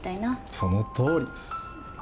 そのとおり。